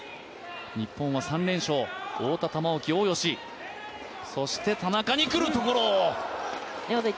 日本は３連勝、太田、玉置、大吉、そして田中にくるところ。